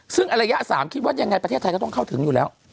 ซึ่งระยะ๓คิดว่ายังไงประเทศไทยก็ต้องเข้าถึงอยู่แล้ว